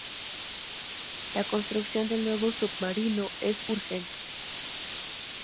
La construcción del nuevo submarino es urgente.